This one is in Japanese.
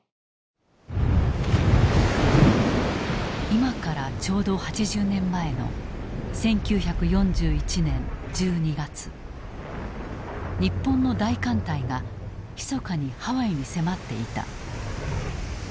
今からちょうど８０年前の日本の大艦隊がひそかにハワイに迫っていた。